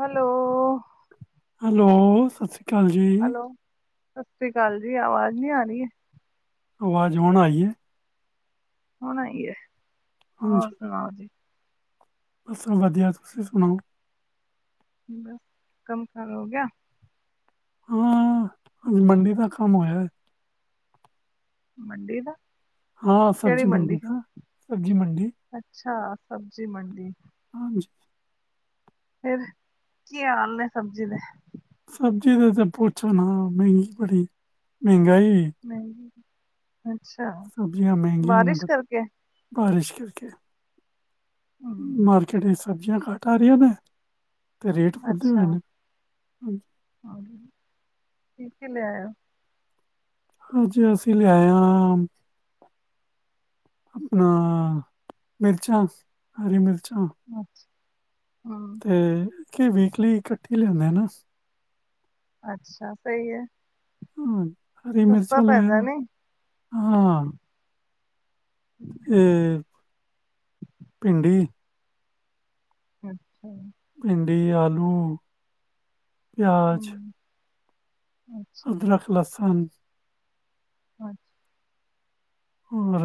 Hello. Hello, ਸਤਿ ਸ੍ਰੀ ਅਕਾਲ ਜੀ, ਹੈਲੋ ਸਤਿ ਸ੍ਰੀ ਅਕਾਲ ਜੀ, ਆਵਾਜ਼ ਨੀ ਆ ਰਹੀ ਹੈ? ਆਵਾਜ਼ ਹੁਣ ਆਈ ਏ। ਹੋਣਾ ਆਈ ਏ, ਹੋਰ ਹਾਂਜੀ, ਸੁਣਾਓ ਜੀ। ਬਸ ਵਧੀਆ, ਤੁਸੀਂ ਸੁਣਾਓ। ਬਸ, ਕੰਮ -ਕਾਰ ਹੋ ਗਿਆ? ਹਾਂ, ਅੱਜ ਮੰਡੀ ਦਾ ਕੰਮ ਹੋਇਆ ਹੈ। ਮੰਡੀ ਦਾ? ਹਾਂ ਸਬਜ਼ੀ ਮੰਡੀ ਦ, ਸਬਜ਼ੀ ਮੰਡੀ ਅੱਛਾ, ਸਬਜ਼ੀ ਮੰਡੀ। ਹਾਂਜੀ। ਫਿਰ, ਕੀ ਹਾਲ ਨੇ ਸਬਜ਼ੀ ਦੇ? ਸਬਜ਼ੀ ਦੇ ਤੇ ਪੁੱਛੋ ਨਾ, ਮਹਿੰਗੀ ਬੜੀ ਮਹਿੰਗਾਈ। ਮਹਿੰਗੀ, ਅੱਛਾ ਸਬਜ਼ੀਆਂ ਮਹਿੰਗੀਆਂ ਨੇ ਬਾਰਿਸ਼ ਬ- ਕਰਕੇ? ਬਾਰਿਸ਼ ਕਰਕੇ। ਹਮ ਮਾਰਕੀਟ ਚ, ਸਬਜ਼ੀਆਂ ਘੱਟ ਆ ਰਹੀਆਂ ਨੇ। ਤੇ ਰੇਟ ਵਧੇ ਅੱਛਾ, ਹੋਏ ਨੇ। ਹਾਂਜੀ, ਕੀ ਕੀ ਲਿਆਏ ਹੋ? ਅੱਜ, ਅਸੀਂ ਲਿਆਏ ਹਾਂ। ਆਪਣਾ, ਮਿਰਚਾਂ ਹਰੀ ਮਿਰਚਾਂ। ਅੱਛਾ, ਹਮ। ਅਤੇ ਵਿਕਲੀ ਇਕੱਠੀ ਲਿਆਂਦੇ ਆ ਨਾ। ਅੱਛਾ, ਸਹੀ ਹੈ। ਹਾਂ ਹ, ਰੀ ਸਸਤਾ ਮਿਰਚਾਂ ਲਿਆਏ ਪੈਂਦਾ ਨੀ ਹਾਂ। ਇਹ, ਭਿੰਡੀ। ਅੱਛਾ। ਭਿੰਡੀ, ਆਲੂ, ਪਿਆਜ। ਹਮ ਅੱਛਾ ਅਦਰਕ, ਲਸਣ ਅੱਛਾ। ਹੋਰ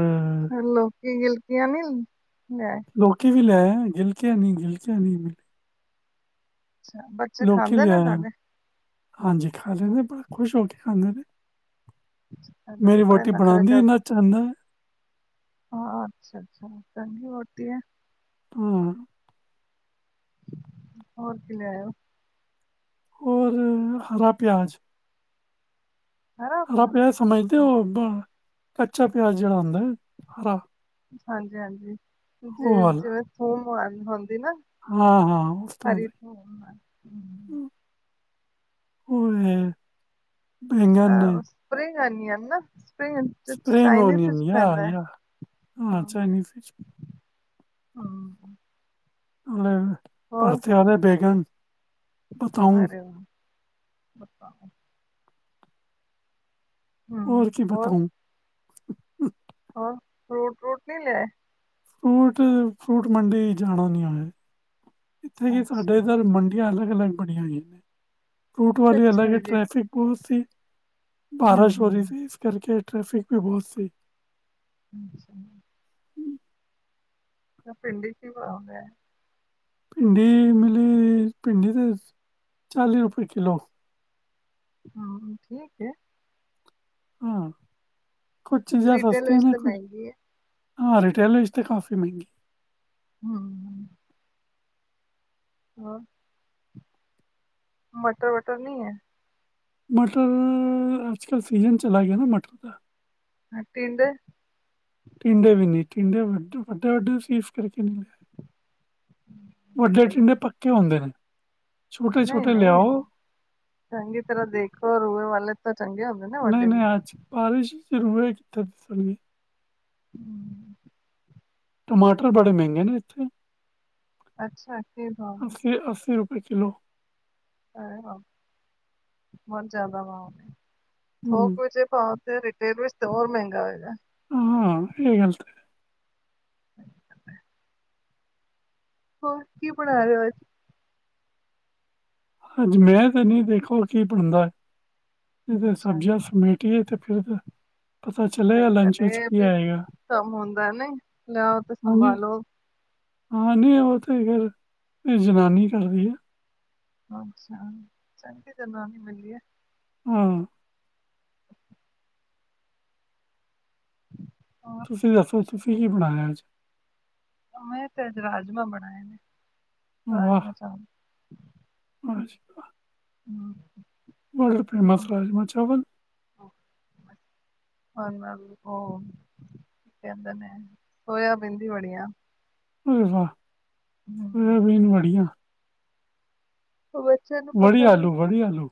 ਲੌਕੀ, ਗਿਲਕੀਆਂ ਨਹੀਂ ਲਿਆਏ? ਲੋਕੀ ਵੀ ਲ [unintelligible] ਅੱਛਾ। ਬੱਚੇ ਖਾਂਦੇ ਨੇ ਤੁਹਾਡੇ ਹਾਂਜੀ, ਖਾ ਲੈਂਦੇ ਨੇ, ਬੜਾ ਖੁਸ਼ ਹੋ ਕੇ ਖਾਂਦੇ ਨੇ ਸਾਡੇ ਤੇ ਮੇਰੀ ਬੜੇ ਵਹੁਟੀ ਨਖਰੇ ਬਣਾਉਦੀ ਕਰਦੇ ਇੰਨਾ ਚੰਗਾ ਹੈ ਹਾਂ, ਅੱਛਾ-ਅੱਛਾ, ਚੰਗੀ ਵਹੁਟੀ ਹੈ। ਹਮ ਹੋਰ ਕੀ ਲਿਆਏ ਹੋ? ਹੋਰ, ਹਰਾ ਪਿਆਜ਼ ਹਰਾ ਪਿਆਜ ਸਮਝਦੇ ਹੋ, ਕੱਚਾ ਪਿਆਜ ਜਿਹੜਾ ਹੁੰਦਾ। ਹਰਾ ਹਾਂਜੀ-ਹਾਂਜੀ, ਜਿਵੇਂ ਥੂਮ ਮ ਹੁੰਦੀ ਨਾ ਹਾਂ-ਹਾਂ ਬਸ ਹਰੀ ਥੂਮ ਅ [unintelligible] ਆਹ ਪ੍ਰੇ [unintelligible] [unintelligible] ਪੈਂਦਾ ਏ ਹਾਂ [unintelligible] ਹੋਰ ਭਰਤ ਵਾਲੇ ਬੇਗਨ ਬਤਾਉ ਅਰੇ ਵਾਹ [unintelligible] ਹੋ ਹਮ ਔਰ ਕੀ ਹੋਰ ਬਤਾਂਓ ਹੋਰ ਫਰੂਟ-ਵਰੂਟ ਨਹੀਂ ਲੇਆਏ ਫਰੂਟ, ਫਰੂਟ ਮੰਡੀ ਜਾਣਾ ਨਹੀਂ ਹਲੇ ਇੱਥੇ ਕਿ ਅੱਛਾ ਸਾਡੇ ਇਧਰ ਮੰਡੀਆਂ ਅਲੱਗ-ਅਲੱਗ ਬਣੀਆਂ ਹੋਈਆਂ ਨੇ ਫਰੂਟ ਵਾਲੀ ਅਲੱਗ ਹੈ। ਅੱਛਾ ਜੀ ਟ੍ਰੈਫਿਕ ਬਹੁਤ ਸੀ ਹਮ ਬਾਰਿਸ਼ ਹੋ ਰਹੀ ਹਮ ਸੀ ਇਸ ਕਰਕੇ ਟ੍ਰੈਫਿਕ ਵੀ ਬਹੁਤ ਸੀ ਅੱਛਾ ਭਿੰਡੀ ਕੀ [unintelligible] ਭਿੰਡੀ ਮਿਲੀ। ਭਿੰਡੀ ਤੇ ਚਾਲੀ ਰੁਪਏ ਕਿੱਲੋ ਹੂੰ ਠੀਕ ਏ ਹਾਂ ਕੁਛ ਚੀਜ਼ਾਂ ਸਸਤੀਆਂ ਨੇ ਕੁਛ ਹਾਂ ਰਿਟੇਲ ਵਿੱਚ ' ਤੇ ਕਾਫੀ ਮਹਿੰਗੀ ਹਮ ਹੋਰ ਮਟਰ ਵਟਰ ਨਹੀਂ ਹੈ ਮਟਰ ਅੱਜ ਕੱਲ੍ਹ ਸੀਜ਼ਨ ਚਲਾ ਗਿਆ ਨਾ ਮਟਰ ਦਾ ਹ ਟੀੰਡੇ ਟਿੰਡੇ ਵੀ ਨਿ। ਟਿੰਡੇ ਵੱ ਵੱਡੇ ਵੱਡੇ ਸੀ [unintelligible] ਵੱਡੇ ਟੀਂਡੇ ਪੱਕੇ ਹੁੰਦੇ ਨੇ ਛੋਟੇ ਛੋਟੇ ਨਹੀਂ-ਨਹੀਂ, ਲਿਆਓ ਚੰਗੀ ਤਰ੍ਹਾਂ ਦੇਖੋ ਰੂਏ ਵਾਲੇ ਤਾਂ ਚੰਗੇ ਨਹੀਂ-ਨਹੀਂ ਆਜ ਬਾਰਿਸ਼ ਸ਼ੁਰੂਏ ਕਿੱਥੇ [unintelligible] ਟਮਾਟਰ ਬੜੇ ਮਹਿੰਗੇ ਨੇ ਇੱਥੇ ਅੱਛਾ। ਅੱਸੀ-ਅੱਸੀ ਰੁਪਏ ਕਿਲੋ ਅਰੇ ਬਾਪ, ਬਹੁਤ ਜ਼ਿਆਦਾ ਵਾ। ਹੋ ਹੂੰ ਕੁਜੇ ਪਾ ਰਿਟੇਲ ਵਿੱਚ ਤੇ ਹੋਰ ਮਹਿੰਗਾ ਹੋਏਗਾ ਹਾਂ ਇਹ ਹਤ [unintelligible] ਹੋਰ, ਕੀਂ ਬਣਾਰੇ ਹੇ ਅਜ ਅੱਜ ਮੈਂ ਤੇ ਨੀ ਦੇਖੋ ਕੀ ਬਣਦੈ। ਇਹ ਸਬਜੀਆਂ [unintelligible] ਤੇ ਫਿਰਦੈ ਪਤਾ ਚਲੇਗਾ ਲੰਚ ਵਿੱਚ ਕੀ ਆਏਗਾ। ਲਿਆਓ ਤੇ ਹਾਂਜੀ ਸੰਭਾਲੋ ਹਾਂ ਨਹੀਂ ਉਹ ਤੇ ਫਿਰ। ਜਨਾਨੀ ਕਰਦੀ ਏ ਅੱਛਾ। ਚੰਗਿ ਜਨਾਨੀ ਮਿਲੀ ਹੈ ਹੂ ਔਰ ਤੁਸੀਂ ਦੱਸੋ ਤੁਸੀਂ ਕੀ ਬਣਾਇਆ ਅੱਜ ਤੇ ਰਾਜਮਾਂ ਬਣਾਏ ਨੇ ਰਾਜਮਾ ਚਾਵਲ ਹਾਂਜੀ ਹਮ ਬਸ ਰਾਜਮ ਚਾਵਲ ਨਾਲ ਉਹ ਕੀ ਕਹਿੰਦੇ ਨੇ ਸੋਇਆਬੀਦੀ ਬੜੀਆਂ ਹੋ ਹਮ ਵਾਹਬੀਨ ਬੜੀਆਂ। ਉਹ ਬੱਚ ਵੜੀ ਆਲੂ ਵੜੀ ਆਲੂ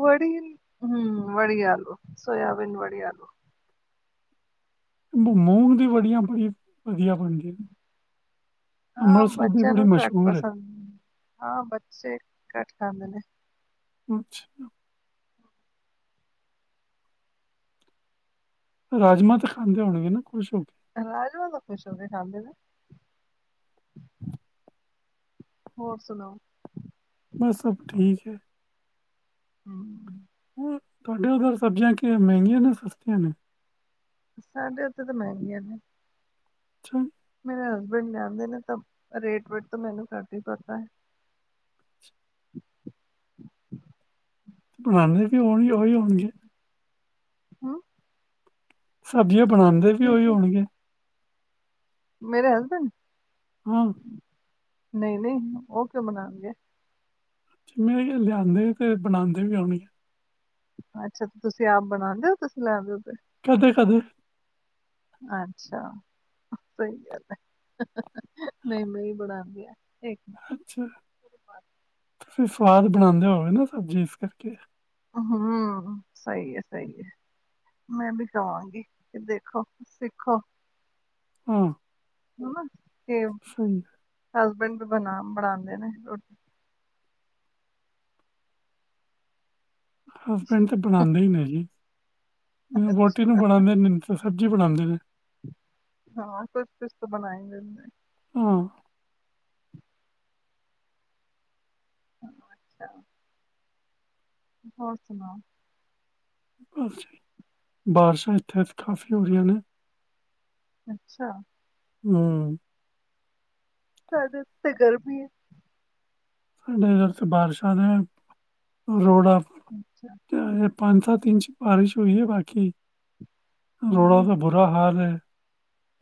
ਵੜੀ, ਹੂ ਵੜੀ ਆਲੂ ਸੋਇਬੀਨ ਵੜੀ ਆਲੂ ਮੁ ਮੂੰਗ ਦੀ ਵੜੀਆਂ ਬੜੀ, ਵਧੀਆ ਬਣਦੀ ਹਾਂ ਦੀ ਬੱਚਿਆਂ ਬੜੀ ਨੂੰ ਤਾਂ ਘੱਟ ਮਸ਼ਹੂਰ ਹੈ। ਪਸੰਦ ਹਾਂ ਬੱਚੇ ਘੱਟ ਖਾਂਦੇ ਨੇ ਅੱਛਾ ਰਾਜਮਾਂ ਤਾਂ ਖਾਂਦੇ ਹੋਣਗੇ ਨਾ ਖੁਸ਼ ਹੋ ਕੇ ਹੈਲੋ ਖੁਸ਼ ਹੋ ਕੇ ਖਾਂਦੇ ਨੇ [inaudible] ਹੋਰ ਸੁਣਾਓ ਬਸ ਸਭ ਠੀਕ ਹੈ ਹੂ ਹੋਰ ਤੁਹਾਡੇ ਉਧਰ ਸਬਜ਼ੀਆਂ ਕੀ ਮਹਿੰਗੀਆਂ ਨੇ ਸਸਤੀਆਂ ਨੇ ਸਾਡੇ ਉੱਥੇ ਤਾਂ ਮਹਿੰਗੀਆਂ ਨੇ ਅੱਛਾ ਮੇਰੇ ਹਸਬੈਂਡ ਜਾਂਦੇ ਨੇ ਤਾਂ ਰੇਟ ਵੇਟ ਤੋਂ ਮੈਨੂੰ ਘੱਟ ਹੀ ਪਤਾ ਹੈ। [inaudible] ਬਣਾਉਦੇ ਵੀ ਹੋਣਗੇ ਉਹੀ ਹੋਣਗੇ ਹੂ ਸਬਜ਼ੀਆਂ ਬਣਾਉਂਦੇ ਵੀ ਉਹੀ ਠੀਕ ਹੈ ਹੋਣਗੇ ਮੇਰੇ ਹਸਬੈਂਡ ਹੂ ਨਹੀਂ ਨਹੀਂ ਉਹ ਕਿਉਂ ਬਣਾਉਣਗੇ ਜਿਵੇਂ ਲਿਆਦੇ ਤੇ ਬਣਾਉਂਦੇ ਵੀ ਆਉਣੀ ਆ ਅੱਛਾ ਤੇ ਤੁਸੀਂ ਆਪ ਬਣਾਦੇਓ ਤੁਸੀਂ ਲੈ ਦਿਓ ਤੇ ਕਦੇ ਕਦੇ ਅੱਛਾ ਸਹੀ ਗੱਲ ਹੈ ਮੈਂ ਮ ਬਣਾਉਂਦੀ ਆ ਅੱਛਾ ਤੁਸੀਂ ਸਵਾਦ ਬਣਾਉਂਦੇ ਹੋਗੇ ਨਾ ਸਬਜ਼ੀ ਇਸ ਕਰਕੇ ਹੂ ਸਹੀ ਹੈ ਸਹੀ ਹੈ ਮੈਂ ਵੀ ਕਵਾਂਗੀ ਕਿ ਦੇਖੋ ਸਿੱਖੋ ਹੂ ਮਮਾ ਕੇ ਸਹੀ ਹਸਬੈਂਡ ਵੀ ਬਣਾ ਬਣਾਉਂਦੇ ਨੇ ਰੋਟੀ ਹਸਬੈਂਡ ਤੇ ਬਣਾਉਦੇ ਹੀ ਨੇ ਜੀ ਵੋਟੀ ਨੂੰ ਬਣਾ ਤਾਂ ਸਬਜ਼ੀ ਬਣਾਉਦੇ ਨੇ ਹਾਂ ਕੁਛ ਕੁਛ ਤਾਂ ਬਣਾਏਂਦੇੇ ਹੂ ਅੱਛਾ ਹੋਰ ਸੁਣਾਓ? ਬਾਰਸ਼ਾਂ ਇੱਥੇ ਕਾਫੀ ਹੋ ਗਈਆਂਆਂ ਨੇ। ਅੱਛਾ ਹੂ ਤੇ ਗਰਮੀ ਹੈ ਸਾਡੇ ਇੱਧਰ ਬਾਰਸ਼ਾਂ ਨੇ ਰੋਡਾ ਅੱਛਾ ਪੰਜ ਸਤ ਇੰਚ ਬਾਰਿਸ਼ ਹੋਈ ਹੈ ਬਾਕੀ ਰੋਡਾ ਹਮ, ਤਾਂ ਬ ਬੁਰਾ ਹਾਲ ਹੈ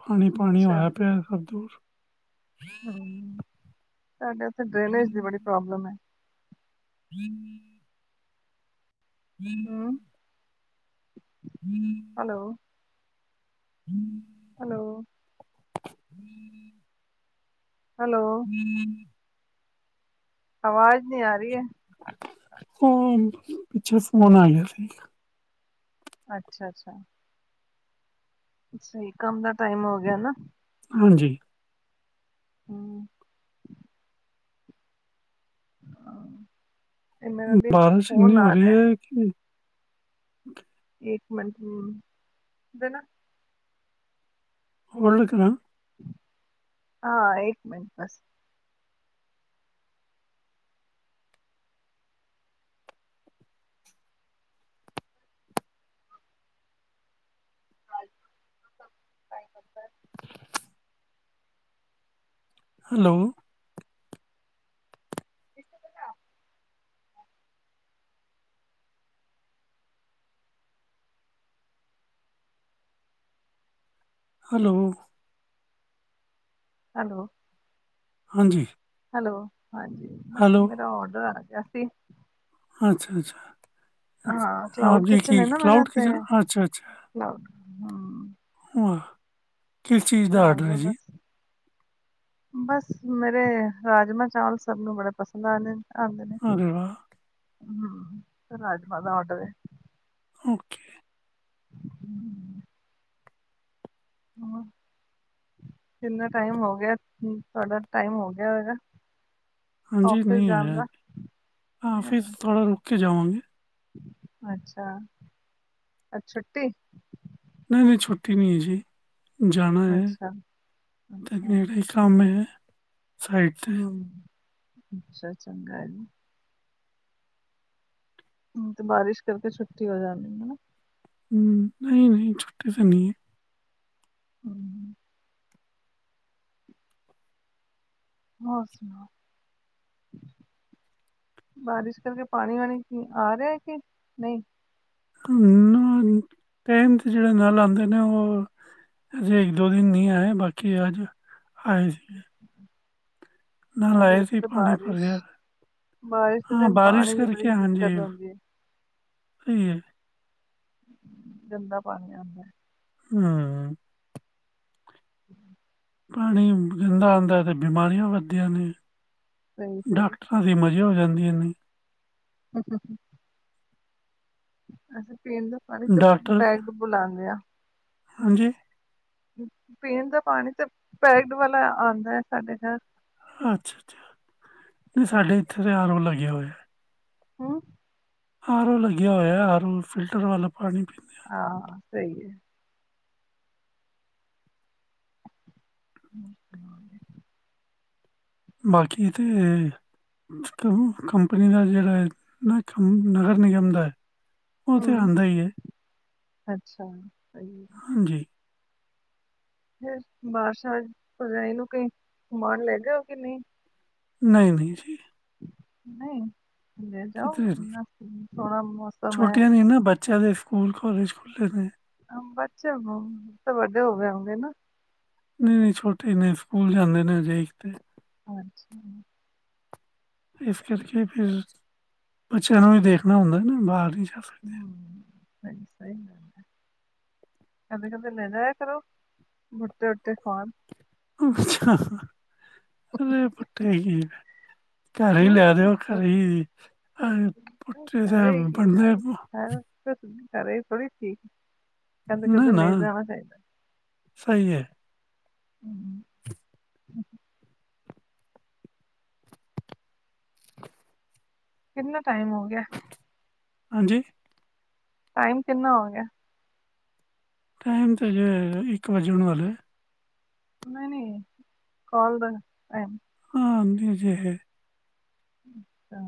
ਪਾਣੀ ਪਾਣੀ ਅੱਛਾ ਉਹ ਪੇ ਹੈ ਸਭ ਦੂਰ ਹੂ ਸਾਡੇ ਉੱਥੇ ਡਰੇਨੇਜ ਦੀ ਬੜੀ ਪ੍ਰੋਬਲਮ ਹੈ ਹਮ ਹਮ ਹਮ ਹੈਲੋ। ਹਮ ਹੈਲੋ। ਹਮ। ਹੈਲੋ। ਹਮ ਆਵਾਜ਼ ਨਹੀਂ ਆ ਰਹੀ ਹੈ। ਹੂ ਪਿਛੋਂ ਫੋਨ ਆ ਗਿਆ ਸੀ। ਅੱਛਾ ਅੱਛਾ। ਸਹੀ ਕੰਮ ਦਾ ਟਾਈਮ ਹੋ ਗਿਆ ਨਾ। ਹਾਂਜੀ। ਹਮ। ਹਾਂ ਇਹ ਮੇਰਾ ਵੀ ਫੋਨ ਆ ਰਿਹਾ। ਅੱਛਾ। ਇੱਕ ਮਿੰਟ ਹਮ ਦੇਣਾ। ਕੋਲ ਰੱਖਣਾ। ਹਾਂ ਇੱਕ ਮਿੰਟ ਬਸ। ਹ ਖ ਹੈਲੋ। ਬਿਸ ਬ ਹੈਲੋ। ਹੈਲੋ। ਹਾਂਜੀ। ਹੈਲੋ, ਹਾਂਜੀ, ਬਸ ਹੈਲੋ, ਮੇਰਾ ਔਡਰ ਆ ਗਿਆ ਸੀ। ਅੱਛਾ ਅੱਛਾ ਹਾਂ ਕਲਾਊਡ ਜੀ ਕਿਚਨ ਕੀ ਹੈ ਮੇਰਾ ਕਲਾਉਡ ਤੇ ਕਿਚਨ ਅੱਛਾ ਅੱਛਾ। ਨਾ। ਹਮ ਵਾਹ। ਤੇ ਹੋਗੇ ਬਸ। ਬਸ ਮੇਰੇ ਰਾਜਮਾਂ ਚਾਵਲ ਸਭ ਨੂੰ ਬੜੇ ਪਸੰਦ ਆਉਦੇ ਨੇ। ਆਦੇ ਨੇ ਹਮ ਰਾਜਮਾ ਦਾ ਆਰਡਰ ਏ। ਓਕੇ। ਹਮ, ਹੋਰ ਕਿੰਨਾ ਟਾਈਮ ਹੋ ਗਿਆ, ਤੁਹਾਡਾ ਟਾਈਮ ਹੋ ਗਿਆ ਹੋਏਗਾ। ਹਾਂਜੀ ਆਫਿਸ ਮੀਂਹ ਜਾਣ ਆਇਆ ਦਾ ਏ ਨਹੀਂ ਔਫਿਸ ਆਇਆ। ਥੋੜ੍ਹਾ ਰੁਕ ਕੇ ਜਾਵਾਂਗੇ। ਅੱਛਾ ਅੱਜ ਛੁੱਟੀ। ਨਹੀਂ, ਨਹੀਂ ਛੁੱਟੀ ਨਹੀਂ ਹੈ ਜੀ ਜਾਣਾ ਏ। ਅੱਛਾ ਅੱਛਾ [inaudible] ਕੰਮ ਏ ਸਾਈਡ। ਤੇ। ਹੂੰ, ਅੱਛਾ ਚੰਗਾ ਜੀ। ਹੂੰ ਤੇ ਬਾਰਿਸ਼ ਕਰਕੇ ਛੁੱਟੀ ਹੋ ਜਾਣੀ ਹਨਾ। ਹ ਨਹੀਂ, ਨਹੀਂ ਛੁੱਟੀ ਤਾਂ ਨਹੀਂ ਹੈ। ਹਮ। ਹੋਰ ਸੁਣਾਓ? ਬਾਰਿਸ਼ ਕਰਕੇ ਪਾਣੀ ਵਾਣੀ ਆ ਰਿਹਾ ਕਿ ਨਹੀਂ? ਟਾਈਮ 'ਤੇ ਜਿਹੜੇ ਨਾਲ ਆਉਂਦੇ ਨੇ ਉਹ। ਅਜੇ ਇੱਕ ਦੋ ਦਿਨ ਨਹੀਂ ਆਏ ਬਾਕੀ ਅੱਜ ਆਏ। ਹਮ। ਨਾਲ ਅੱਜ ਆਏ ਸੀ ਇੱਥੇ ਪਾਣੀ ਬਾਰਿਸ਼ ਭਰਿਆ। ਬਾਰਿਸ਼ ਦੇ ਹਾਂ, ਦਿਨ ਬਾਰਿਸ਼ ਪਾਣੀ ਦੀ ਬੜੀ ਕਰਕੇ ਦਿੱਕਤ ਆਂਦੀ ਹੈ। ਹੂੰ, ਗੰਦਾ ਪਾਣੀ ਆਂਦਾ। ਹੂੰ। [unintelligible] ਪਾਣੀ ਗੰਦਾ ਆਂਦਾ ਤੇ ਬਿਮਾਰੀਆਂ ਵੱਧਦੀਆਂ ਨੇ, ਸਹੀ ਸਹੀ ਡਾਕਟਰ ਦੇ ਮਜ਼ੇ ਹੋ ਜਾਂਦੀਆਂ ਨੇ। ਹੂੰ- ਹੂੰ। ਅਸੀਂ ਪੀਣ ਦਾ ਪਾਣੀ ਤੇ ਡਾਕਟਰ ਪੈਕਡ ਪੁਪ ਲਾਂਦੇ ਆਂ। ਹਾਂਜੀ, ਪੀਣ ਦਾ ਪਾਣੀ ਤਾਂ ਪੈਕਡ ਵਾਲਾ ਆਂਦਾ ਐ ਸਾਡੇ ਘਰ। ਅੱਛਾ- ਅੱਛਾ, ਨਹੀਂ ਸਾਡੇ ਇੱਥੇ ਤਾਂ ਆਰ ਓ ਲੱਗਿਆ ਹੋਇਆ। ਹੂੰ, ਆਰੋ ਲੱਗਿਆ ਹੋਇਆ, ਆਰੋ ਫਿਲਟਰ ਵਾਲਾ ਪਾਣੀ ਪੀਂ ਹਾਂ, ਸਹੀ ਏ। [inaudible] ਬਾਕੀ ਤੇ ਸਿਸਟਮ ਕੰਪਨੀ ਦਾ ਜਿਹੜਾ ਐ। ਹੂੰ, ਨਗਰ ਨਿਗਮ ਦਾ ਉਹ ਤੇ ਹਮ ਆਂਦਾ ਹੀ ਏ। ਅੱਛਾ, ਸਹੀ ਏ। ਜੀ, ਫਿਰ ਬਾਰਸ਼ਾਂ ਚ ਭਰਜਾਈ ਨੂੰ ਕਈ ਘੁਮਾਣ ਲੈ ਗਏ ਹੋ ਕਿ ਨਹੀਂ। ਨਹੀਂ -ਨਹੀਂ ਜੀ। ਨਹੀਂ ਲੈ ਕਿਤੇ ਜਾਓ, ਨਹੀਂ ਐਨਾ ਸੋਹਣਾ ਮੌਸਮ ਐ। ਛੋਟੀਆਂ ਨਹੀਂ ਨਾ ਬੱਚਿਆਂ ਦੇ ਸਕੂਲ, ਕੋਲਜ ਖੁੱਲ੍ਹੇ ਨੇ। ਬੱਚੇ ਤੇ ਵੱਡੇ ਹੋਗੇਂ ਹੋਣੇ ਨਾ। ਨਹੀਂ- ਨਹੀਂ ਛੋਟੇ ਨੇ, ਸਕੂਲ ਜਾਂਦੇ ਨੇ ਅਜੇ ਤਕ ਤੇ। ਹਾਂਜੀ, ਇਸ ਕਰਕੇ ਫਿਰ ਬੱਚਿਆਂ ਨੂੰ ਵੀ ਦੇਖਣਾ ਹੁੰਦਾ ਨਾ, ਬਾਹਰ ਨੀ ਜਾ ਸਕ ਹੂੰ, ਸਹੀ ਸਹੀ ਗੱੱਲ ਐ। ਕਦੇ -ਕਦੇ ਲੈ ਜਾਇਆ ਕਰੋ, ਮੂਡ ਦੇ [inaudible] ਉੱਤੇ ਖਾਣ। ਅੱਛਾ ਅ ਪੱਠੇ [inaudible] ਘਰ ਹੀ ਹਮ ਲੈ ਦਿਓ ਘਰ ਹੀ ਜੀ, ਪੁੱਠੇ ਟੈਮ ਵੜਦੇ ਆਂ ਆਪਾਂ। ਹੈ ਓ ਘਰੇ ਥੋੜੀ ਠੀ ਨਾ- ਨਾ ਸਹੀ ਐ। ਹੂੰ, ਹੂ ਕਿੰਨਾ ਟਾਈਮ ਹੋ ਗਿਆ। ਹਾਂਜੀ, ਟਾਈਮ ਕਿੰਨਾ ਹੋ ਗਿਆ। ਟਾਈਮ ਤਾਂ ਜੇ ਇੱਕ ਵੱਜਣ ਵਾਲਾ। ਨਹੀਂ -ਨਹੀਂ, ਕੌਲ ਦਾ ਟੈਮ। ਹਾਂ, ਆਂਦੀ ਹੈ, ਜੇ ਹੈ ਅੱਛਾ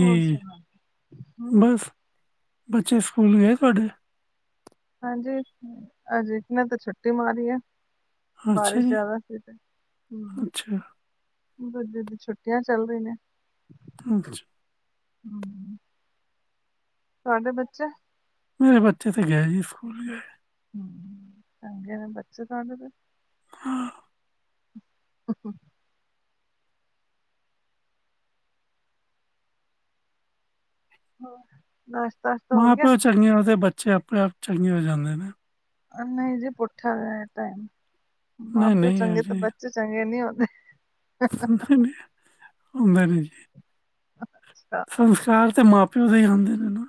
ਹੋਰ ਸੁਣਾ ਹਮ ਬਸ ਬੱਚੇ ਸਕੂਲ ਗਏ ਤੁਹਾਡੇ। ਹਾਂਜੀ ਅਜੇ ਮੈਂ ਤੇ ਛੁੱਟੀ ਮਾਰੀ ਐ। ਅੱਛਾ ਬਾਰਿਸ਼ ਜੀ ਜ਼ਿਆਦਾ ਸੀ ਤੇ, ਹੂੰ। ਅੱਛਾ ਦੂਜੇ ਦੀ ਛੁੱਟੀਆਂ ਚੱਲ ਰਹੀ ਨੇ। ਅੱਛਾ, ਹੂੰ, ਤੁਹਾਡੇ ਬੱਚੇ ਮੇਰੇ ਬੱਚੇ ਤਾਂ ਗਏ ਜੀ, ਸਕੂਲ ਗਏ। ਹੂੰ, ਚੰਗੇ ਨੇ ਬੱਚੇ ਤੁਹਾਡੇ ਫਿਰ। ਹਾਂ ਅੱ ਹੂ ਹਾ, ਨਾਸ਼ਤਾ ਸ਼ਤਾ ਹੋ ਗਿਆ। ਚੰਗੀਆਂ ਹੋ, ਤੇ ਬੱਚੇ ਆਪਣੇ ਆਪ ਚੰਗੇ ਹੋ ਜਾਂਦੇ ਨੇ। ਅ ਜੀ ਪੁੱਠਿਆ ਹੋ ਟਾਈਮ, ਮਾਂ ਨਹੀਂ ਪਿਓ ਨਹੀਂ ਇਹੋ ਚੰਗੇ ਤੇ ਬੱਚੇ ਚੰਗੇ ਨਹੀਂ ਹੁੰਦੇ। ਔ ਮੈਂ ਨਹੀ ਜੀ। ਸੰਸਕਾਰ ਤੇ ਮਾਂ ਪਿਓ ਦੇ ਹੀ ਹੁੰਦੇ ਨੇ ਨਾ।